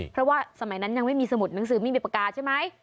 เพราะว่าสมัยนั้นยังไม่มีสมุดหนังสือไม่มีปากกาใช่ไหม